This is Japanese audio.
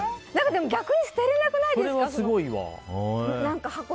逆に捨てれなくないですか？